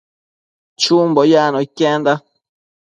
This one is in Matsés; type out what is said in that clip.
Chumbo yacno iquenda